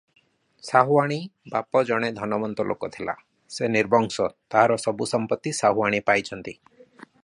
ସାହୁଆଣୀ ବାପ ଜଣେ ଧନବନ୍ତ ଲୋକ ଥିଲା - ସେ ନିର୍ବଂଶ, ତାହାର ସବୁ ସମ୍ପତ୍ତି ସାହୁଆଣୀ ପାଇଛନ୍ତି ।